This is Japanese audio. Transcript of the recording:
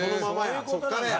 そこからや。